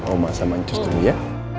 oma sama ancus dulu ya